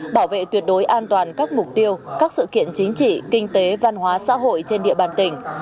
bảo vệ tuyệt đối an toàn các mục tiêu các sự kiện chính trị kinh tế văn hóa xã hội trên địa bàn tỉnh